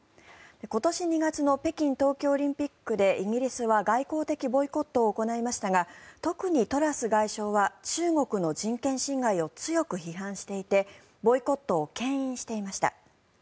今年２月の北京冬季オリンピックでイギリスは外交的ボイコットを行いましたが特にトラス外相は中国の人権侵害を強く批判していて、ボイコットをけん引していました。